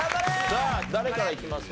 さあ誰からいきますか？